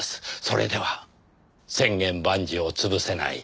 それでは『千言万辞』を潰せない。